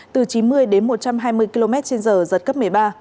từ chín mươi đến một trăm hai mươi km trên giờ giật cấp một mươi ba